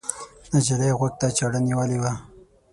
نجلۍ غوږ ته چاړه نیولې وه.